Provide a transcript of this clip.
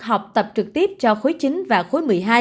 học tập trực tiếp cho khối chín và khối một mươi hai